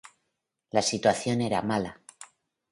La situación era mala.